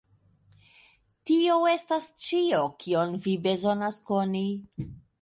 Tio estas ĉio kion vi bezonas koni.